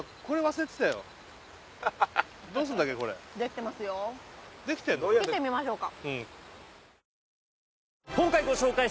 切ってみましょうか。